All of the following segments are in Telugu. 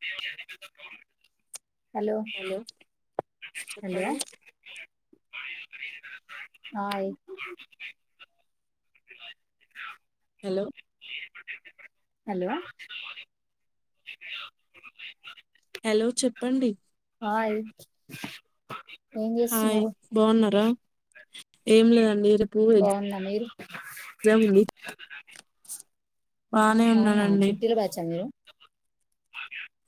[unintelligible] హలో హలో చెప్పండి ఆ హలో హలో హలో చెప్పండి ఆ హాయ్ బాగున్నారా ఏం లేదండి రేపు బాగున్నా మీరు ఎగ్జాం ఉంది. బానే అవునా ఉన్నానండి చిట్టీల బ్యాచ్చ మీరు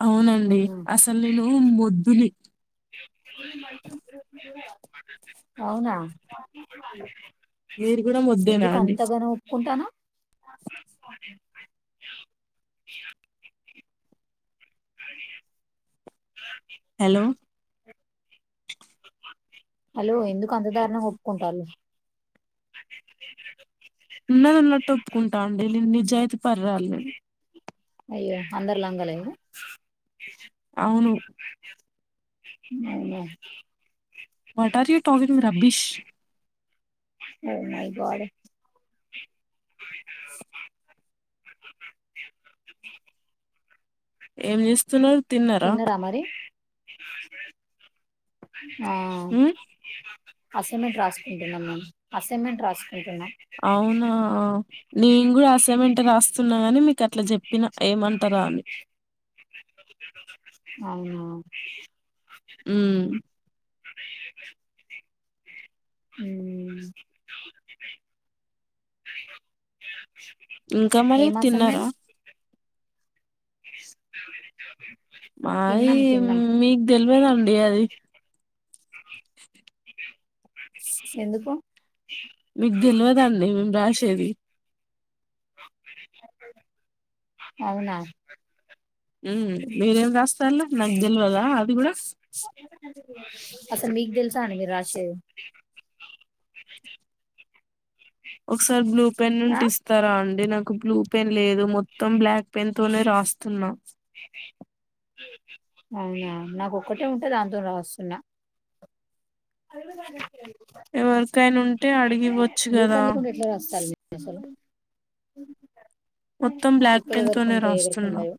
అవునండి మ్మ్ అసలు నేను మొద్దుని అవునా మీరు కూడా మోద్దేనా ఎందుకు అండి అంతగానం ఒప్పుకుంటాను హలో హలో ఎందుకు అంతదారణ ఒప్పుకుంటళ ఉన్నది ఉన్నట్టు ఒప్పుకుంటా అండి నను నిజాయిత పర్ాలాల అయ్యో అందరి లంగల అవును అవు వాట్ ఆర్ యూ టావ రబ్బిష్ వాడ ఏం చేస్తున్నారు తిన్నారా ఇన్న రామరి అ ఆ ఉమ్ అసైన్మెంట్ రాసుకుంటున్నాం మ అసైన్మెంట్ రాసు అవునా నేను కూడా అసయమెంట రాస్తున్నాగాని మీకు అట్లా చెప్ చెప్పిన ఏమంతరాన్ని అవునా ఉమ్ అ అ అ ఇంకా మరీ తిన్నారా మాది తిన్నాం తిన్నాం మీకు తెల్వదండి అది ఎందుకు మీకు తెలివదండి మేము రాసేది అవునా హు మీరేం రాస్తార్లు నాకు తెలివదా అది కూడా అస్ మీకు ద్ సాను మీ రాసే ఒకస బ్లు పెన్ను ఆ ఉంటే ఇస్తారా అండి నాకు బ్లూ పెన్ లేదు మొత్తం బ్లాక్ పెన్ తోనే రాస్తున్నా అవునా నాకు ఒక్కటే ఉంటే దాంతో రాస్తున్నా ఎవరికైనా ఉంటే అడిగి బ్లూ [unintelligible] ఎట్ల రాస్తారు [inaudible] అసలు మొత్తం [inaudible] బ్లాక్ పెన్ తోనే ఇప్పుడెవరికుంటాయో రాస్తున్నా ఎవరికుండయో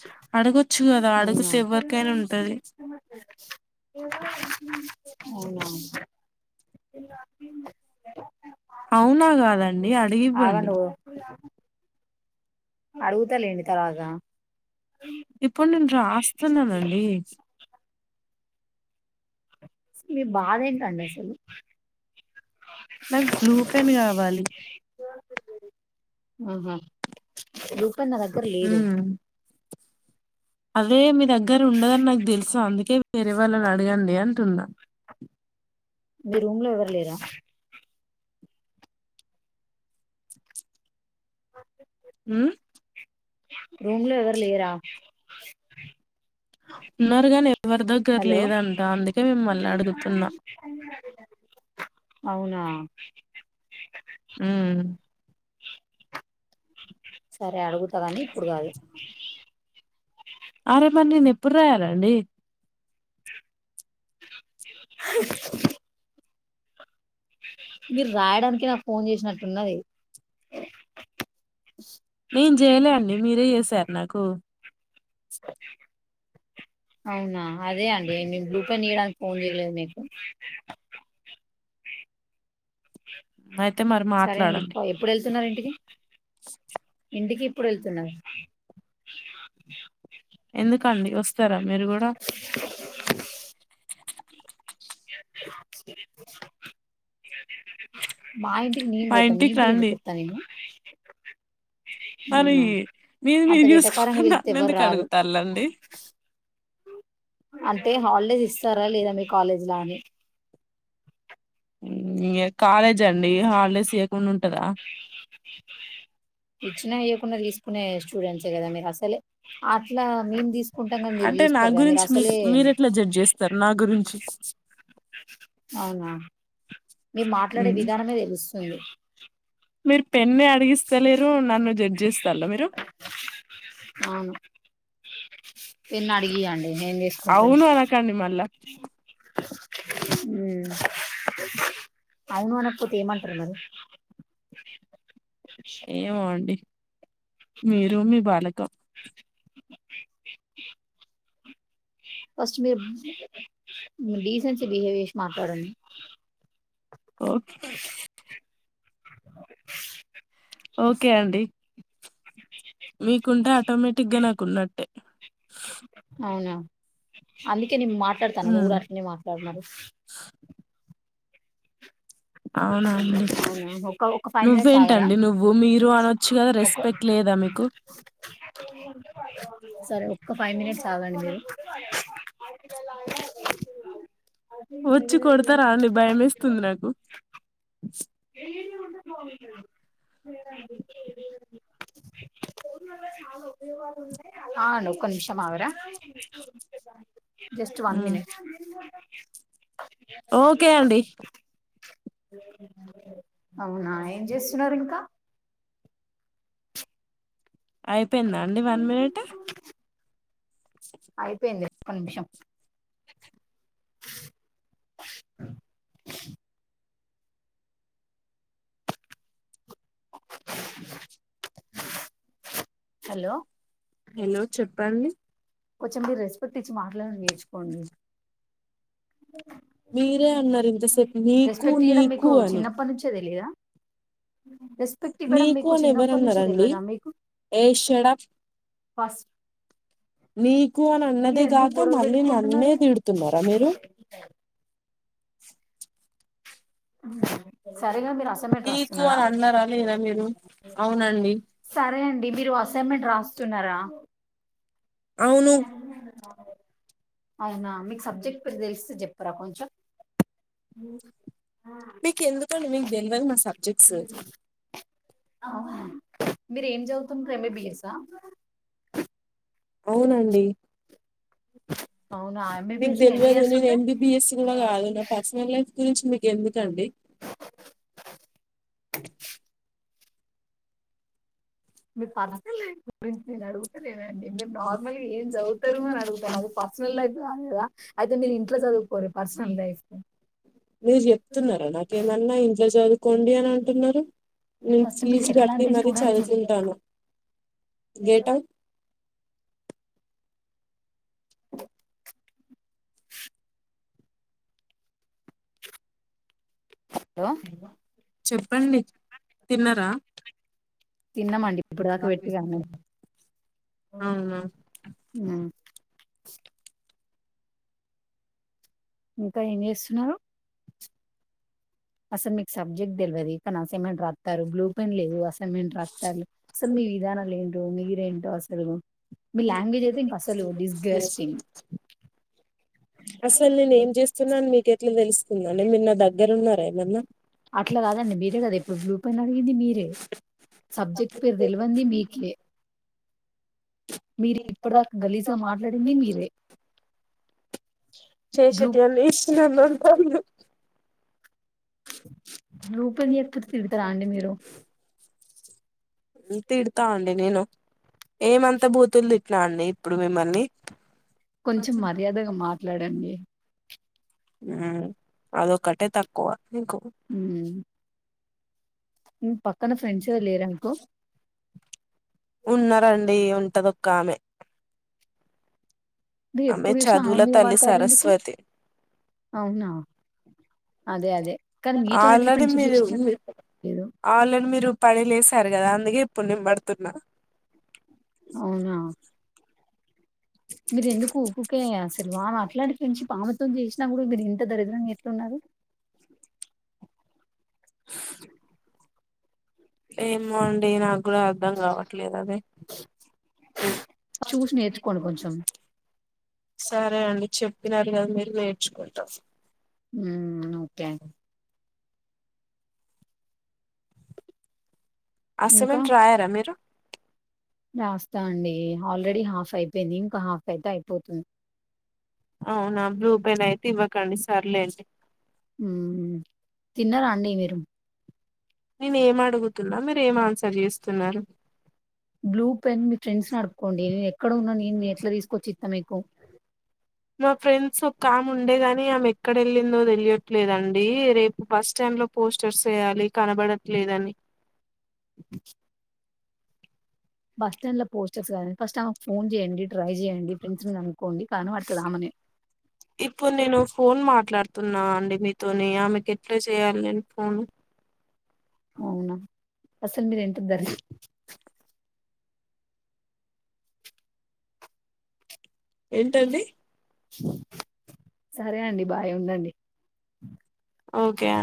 చా అడగొచ్చు కదా అడుగుతే ఎవరికైనా ఉంటది అవునా అవునా కాదండి అడిగి ఇవ్వండి ఆగండి ఓ అడుగుతాలేండి తర్వాత ఇప్పుడు నేను రాస్తున్నానండి మీ బాధ ఏంటండి అసలు నా [unintelligible] బ్లూ పెన్ కావాలి మ్ హు తన్ నా దగ్గర లేదు మ్మ్ అదే మీ దగ్గర ఉండదని నాకు దెలుసు అందుకే వేరే వాళ్లని అడగండి అంటున్నా మీ రూమ్ లో ఎవ్వరు లేరా ఉమ్ రూమ్ లో ఎవ్వరులేరా ఉన్నారు గాని ఎవరి దగ్గర లేదంట అందుకే మిమ్మల్ని అడుగుతున్నా అవునా హ్మ్ సరే అడుగుతా కాని ఇప్పుడు కాదు అరే మరి నేను ఎప్పుడు రాయాలండి మీరు రాయడానికే నాకు ఫోన్ చేసినట్టున్నది నేను చేయలేండి మీరే చేశారు నాకు అవునా, అదే అండి నేను బ్లూ పెన్ ఇయడానికి ఫోన్ చేయలేదు మీకు, మద్ సరే అండి ప ఎప్పుడు వెళ్తున్నారు ఇం ఇంటికి ఇంటికి ఇప్పుడు వెళ్తున్నారు ఎందుకండి వస్తారా మీరు కూడా [unintelligible] మా ఇంటికి నేను మా పోతా మీ ఇంటికి ఎందుకు రండి వత్త నేను మరి అవునా మీరు అంత మీరు వెటకారంగా చూసుకోకుండా పిలిస్తే ఎవరు నన్నెందుకు రారు అడుగుతార్లండీ. అంటే హాలిడేస్ ఇస్తారా లేదా మీ కాలేజ్ లొ అని. ఉ కాలేజ్ అండి హాలిడేస్ ఇయకుండా ఉంటదా ఇచ్చినా ఇయకున్నా తీసుకునే స్టూడెంట్సే కదా మీరు అసలే అట్లా మేం తీసుకు కుంటా క మీరు అంటే నా తీసుకోరు కదా మీరు గురించి మీకు అసలే మీరు ఎట్లా జడ్జ్ చేస్తారు నా గురించి అవునా మీరు మాట్లాడే ఉమ్. విధానమే తెలుస్తుంది. మీరు పెన్నే అడిగిస్త లేరు. నన్ను జడ్జ్ చేస్తాల్లా మీరు. అవును పెన్ అడిగీయాలి అవును అనకండి. మళ్ళ మ్మ్ అవును అనకపోతే ఏమంటరు మరి. ఏమో అండి. మీరు మీ బాలకం ఫస్ట్ మీరు డీసెన్సీ బిహేవ్ చేసి మాట్లాడండి. ఓకే [inaudible] ఓకే అండి. మీకుంటే ఆటోమేటిక్ గా నాకు ఉన్నట్టే. అలీ అకే నేను మాట్లాడతాను. నువ్వు ఉమ్ కూడ అట్నే మాట్లాడు మరి అవునా అండి. అవునా ఒక ఒక ఫైవ్ మినిట్స్ ఆగరా నువ్వేంటండి నువ్వు మీరు అనొచ్చు కదా. ఒక రెస్పెక్ట్ లేదా మీకు. సరే ఒక్క ఫైవ్ మినిట్స్ ఆగండి మీరు. వచ్చి కొడతారా అండి భయమేస్తుంది నాకు [inaudible] ఆ అండి ఒక్క నిమిషం అగరా జస్ట్ వన్ ఉమ్ మినిట్ ఎ [inaudible] ఓకే అండి [unintelligible] అవునా ఏం చేస్తున్నారు ఇంకా అయిపోయిందా అండి వన్ మినిట్ అయిపోయింది ఒక్క నిమిషం [inaudible] హలో హలో చెప్పండి కొంచెం మీరు రెస్పెక్ట్ ఇచ్చి మాట్లాడడం నేర్చుకోండి మీరే అన్నరు ఇంతసేపు నీకు రెస్పెక్ట్ ఇవ్వడం మీకు నీకు అని చిన్నప్పటి నుంచే తెలియదా రెస్పెక్ట్ ఇవ్వడం నీకు మీకు అని చిన్నప్పటి నుంచ తెల్వదా మీకు తేడా ఫస్ట్ నీకు అని మీరు అన్నదే ఎందుకు గాక గొడవ మళ్ళీ నన్నే పెట్టుకుంటున్నారు తిడుతున్నారా మీరు సర్ [unintelligible] అసైన్మెంట్ నీకు రాస్తున్నారా అని అన్నారా లేదా మీరు అవునండి సరే అం డి మీరు అసైన్మెంట్ రాస్తున్నారా అవును అవునా మీకు సబ్జెక్ట్ ఇప్పుడు తెలిస్తే చెప్పరా కొంచెం మీకు ఎందుకండి మీకు తెల్వదు నా సబ్జెక్ట్స్ మీర ఏం చవుతుంటేమే బిఎసా అవునండి అవునా నీకు ఎంబీబీఎస్ లో ఎన్ని తెల్వదు ఇయర్స్ [unintelligible] ఉంటాయి ఎంబీబీఎస్ కూడా కాదు నా పర్సనల్ లైఫ్ గురించి మీకు ఎందుకండి మీ పర్సకల్ లే ప్రిన్సిని అడుగు అని అడుగుతాను అది పర్సనల్ లైఫ్ కాదు కదా అయితే మీరు ఇంట్లో చదువుకోరు పర్సనల్ లైఫ్ మీరు చెప్తున్నారా నాకేమన్నా ఇంట్లో చదువుకోండి అని అంటున్నారు నేను ఫస్ట్ మీకు ఫీజు కట్టి ఎట్లాంటి మరీ స్టూడెంట్స్ చదువుకుంటాను గేట లో చెప్పండి తిన్నరా తిన్నామండి ఇప్పుడుదాకా పెట్టిగా అన్నం అవునా మ్ ఇంకా ఏం చేస్తున్నారు అస మీకు సబ్జెక్ట్ తెల్వది కానీ అసైన్మెంట్ రా తరు బ్లూ పెన్ లేదు అసైన్మెంట్ రాత్తరు అసలు మీ విధానాలు ఏంటో మీరు ఏంటో తెలుగు అసలు నేను ఏం చేస్తున్నాను మీకు ఎట్లా తెలుసు దండి మీర్ నా దగ్గర ఉన్నారేమన్నా అట్లా కాదండి మీరే కదా ఇప్పుడు బ్లూ పన్ అడిగింది మీరే, సబ్జెక్ట్ పేరు తెలివంది మీకే మీరు ఇప్పటి దాకా గలీజ్ గా మాట్లాడింది మీరే బ్లూ శేషటి అన్న ఇషన్నం రూపని అక్కకి తిడతారా అండి మీరు తిడతా అండి నేను ఏమంత బూతులు తిట్ల అండి ఇప్పుడు మిమ్మల్ని కొంచెం మర్యాదగా మాట్లాడండి మ్ అది ఒకటే తక్కువ మీకు మ్ మ్ పక్కన ఫ్రెండ్స్ ఎవరు లేరనుకో ఉన్నారండి ఉంటది ఒక్క ఆమె మీరు ఆమె ఎప్పుడు చూసినా ఆమె చదువుల మీద తల్లి పడతారు ఎందుకు సరస్వతి, అవునా అదే అదే. కానీ మీతోని ఎట్లా ఆల్రెడీ ఫ్రెండ్‌షిప్ మీరు చేసిందని నాకు అర్థం కాలేదు. ఆల్రెడీ మీరు పడి లేసారు కదా అందుకే, ప్పునేం పడుతున్నా అవునా మీరు ఎందుకు ఉకుకే అసలు వా అట్లాంటి ఫ్రెండ్షిప్ ఆమెమతోం చేసిన కూడా మీరు ఇంత దరిద్రంగా ఎ టున్నారు ఏమో అండి నాకు కూడా అర్ధం కావట్లేదు అది, చూసి నేర్చుకోండి కొంచెం. సరే అండి చెప్పినారు ఇగ మీరు నేడ్చుకుంటాం మ్మ్ ఓకే ఇంకా అసైన్మెంట్ రాయారా మీరు రాస్తా అండి ఆల్రెడీ హాఫ్ అయిపోయింది ఇంకా హాఫ్ అయితే అయిపోతుంది అవునా బ్లూ పెన్ అయితే ఇవ్వర్ కొనిస్సార్లేండి మ్మ్ తిన్నారా అండి మీరు నేను ఏం అడుగుతున్నా మీరు ఏం ఆన్సర్ చేస్తున్నారు బ్లూ పెన్ మీ ఫ్రెండ్స్‌ని అడుక్కోండి. నేనెక్కడ ఉన్నా నేను ఎట్లా తీసుకొచ్చి ఇత్తా మీకు? మా ఫ్రెండ్స్ ఒక్కామె ఉండే గాని ఆమె ఎక్కడ వెళ్ళిందో తెలియద్. లేదండి రేపు బస్టాండ్ లో పోస్టర్స్ వేయాలి కనబడట్లేదని బస్టాండ్ లో పోస్టర్స్ కానీ ఫస్ట్ ఫోన్ చేయడి ట్రై చేయండి ఫ్రెండ్స్ ను అనుకోండి కనపడుతుదామని న్నా అండి మీ నయ అమె కేట్లా చే న్లాన్ ఫోన్ అవునా! అసలు మీరెంత దరి ఏంటండి సరే అండి బాయ్ ఉండండి ఒకే ఆ